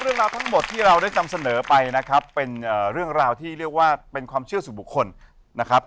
เรื่องราวทั้งหมดที่เราได้นำเสนอไปนะครับเป็นเรื่องราวที่เรียกว่าเป็นความเชื่อสู่บุคคลนะครับ